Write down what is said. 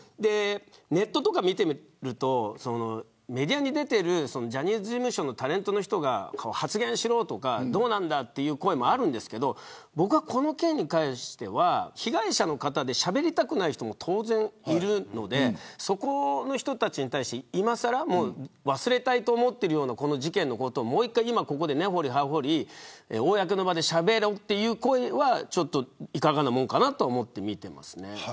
ネットとかを見てみるとメディアに出ているジャニーズ事務所のタレントの人が発言しろとかどうなんだという声もあるんですが僕はこの件に関しては被害者の方でしゃべりたくない人も当然いるのでそこの人たちに対して今更忘れたいと思っているようなこの事件のことを、もう一度ここで根掘り葉掘り、公の場でしゃべろという声はいかがなものかなと思っています。